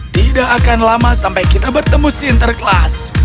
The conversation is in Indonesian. tidak akan lama sampai kita bertemu sinterklas